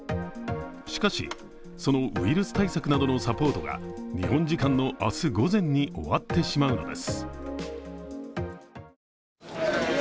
しかし、そのウイルス対策などのサポートが日本時間の明日午前に終わってしまうのです。